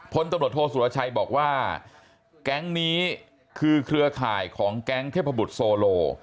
พลตำรวจโทษสุรชัยบอกว่าแก๊งนี้คือเครือข่ายของแก๊งเทพบุตรโซโล